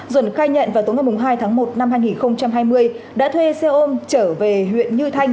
duẩn khai nhận vào tối ngày hai tháng một năm hai nghìn hai mươi đã thuê xe ôm trở về huyện như thanh